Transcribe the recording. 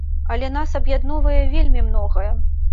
Але нас аб'ядноўвае вельмі многае.